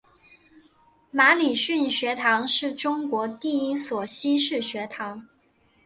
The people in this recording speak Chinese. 马礼逊学堂是中国第一所西式学堂。